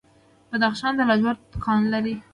بدخشان د لاجوردو کان لري